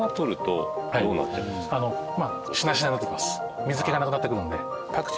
水気がなくなってくるので。